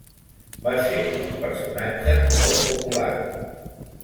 Va ser un personatge molt popular.